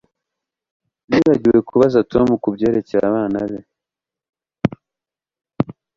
Nibagiwe kubaza Tom kubyerekeye abana be